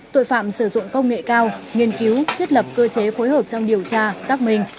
tội phạm sử dụng công nghệ cao nghiên cứu thiết lập cơ chế phối hợp trong điều tra xác minh